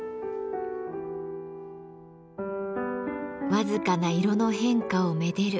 わずかな色の変化を愛でる。